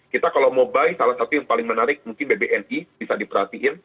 kita kalau mobile salah satu yang paling menarik mungkin bbni bisa diperhatiin